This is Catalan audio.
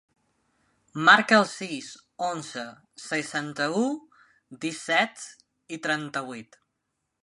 Marca el sis, onze, seixanta-u, disset, trenta-vuit.